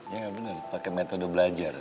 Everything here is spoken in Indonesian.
iya bener pakai metode belajar